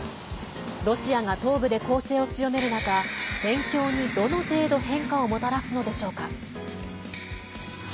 ロシアが東部で攻勢を強める中戦況に、どの程度変化をもたらすのでしょうか。